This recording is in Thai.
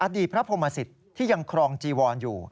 อดีตพระภมศิษย์ที่ยังครองจีวรอยู่